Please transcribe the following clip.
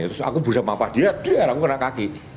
terus aku berusaha mengapa dia keder aku kena kaki